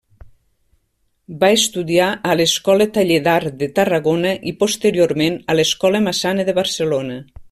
Va estudiar a l'Escola Taller d'Art de Tarragona i posteriorment a l’Escola Massana de Barcelona.